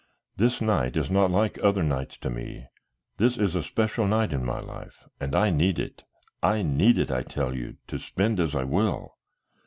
This night is not like other nights to me. This is a special night in my life, and I need it, I need it, I tell you, to spend as I will.